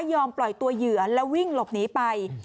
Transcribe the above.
ปล่อยตัวเหยื่อแล้ววิ่งหลบหนีไป